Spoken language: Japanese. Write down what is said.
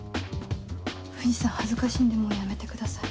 藤さん恥ずかしいんでもうやめてください。